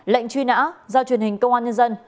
lệnh truy nã do truyền hình công an nhân dân